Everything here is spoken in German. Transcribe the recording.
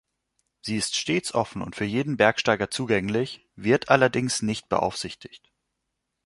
Sie ist stets offen und für jeden Bergsteiger zugänglich, wird allerdings nicht beaufsichtigt.